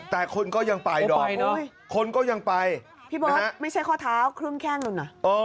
แต่คนก็ยังไปดอมคนก็ยังไปพี่เบิร์ตไม่ใช่ข้อเท้าครึ่งแข้งนู่นน่ะ